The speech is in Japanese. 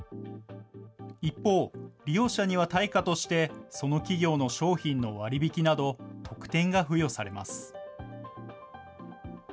一方、利用者には対価として、その企業の商品の割引など、特典が付与されます。